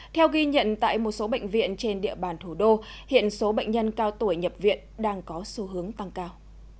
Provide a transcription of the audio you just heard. theo ghi nhận tại một số bệnh viện trên địa bàn thủ đô hiện số bệnh nhân cao tuổi nhập viện đang có xu hướng tăng cao